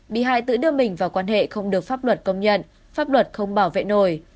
bị hại tự đưa mình vào quan hệ không được pháp luật công nhận pháp luật không bảo vệ nổi